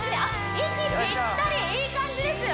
息ぴったりいい感じですよ